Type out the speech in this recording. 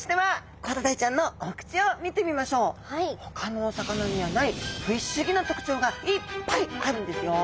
ほかのお魚にはない不思議な特徴がいっぱいあるんですよ。